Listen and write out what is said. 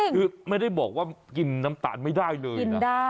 คือไม่ได้บอกว่ากินน้ำตาลไม่ได้เลย